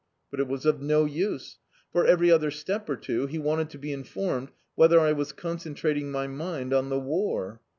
But it was of no use; for, every other step or two, he wanted to be informed whether I was concentrating my mind <hi the war.